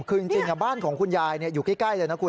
คือจริงบ้านของคุณยายอยู่ใกล้เลยนะคุณ